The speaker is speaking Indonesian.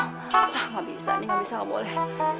wah gak bisa nih gak bisa gak boleh